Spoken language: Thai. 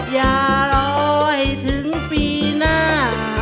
อย่ารอยถึงปีหน้า